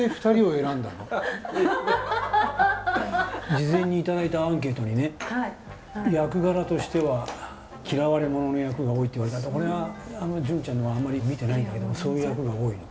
事前に頂いたアンケートにね役柄としては嫌われ者の役が多いって言われたんだけど俺はジュンちゃんのはあんまり見てないんだけどもそういう役が多いの？